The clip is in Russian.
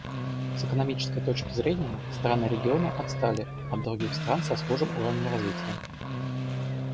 С экономической точки зрения страны региона отстали от других стран со схожим уровнем развития.